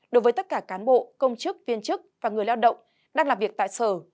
đối với tất cả cán bộ công chức viên chức và người lao động đang làm việc tại sở